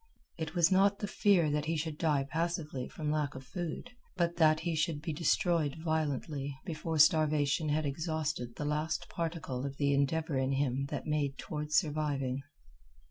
It was not the fear that he should die passively from lack of food, but that he should be destroyed violently before starvation had exhausted the last particle of the endeavor in him that made toward surviving.